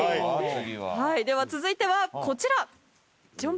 では続いてはこちらジャン。